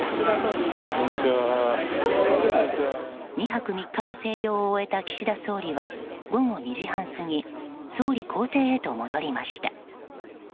２泊３日の静養を終えた岸田総理は午後２時半過ぎ総理公邸へと戻りました。